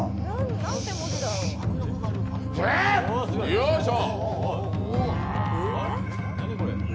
よいしょ！